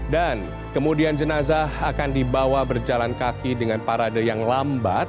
dan kemudian jenazah akan dibawa berjalan kaki dengan parade yang lambat